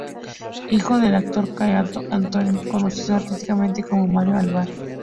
Hijo del actor Cándido Antolín, conocido artísticamente como Mario Albar.